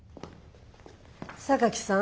榊さん。